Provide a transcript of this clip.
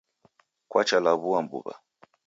Kwacha law'ua mbuw'a.